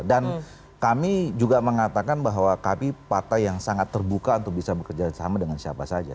dan kami juga mengatakan bahwa kami partai yang sangat terbuka untuk bisa bekerja sama dengan siapa saja